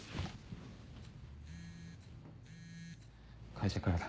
会社からだ。